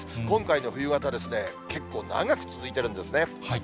今回の冬型はですね、結構、長く続いてるんですね。